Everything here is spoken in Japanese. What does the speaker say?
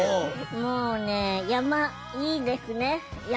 もうね山いいですね山。